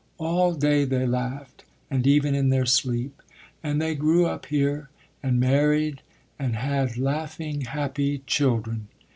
All day they laughed, and even in their sleep. And they grew up here, and married, and had laughing, happy children.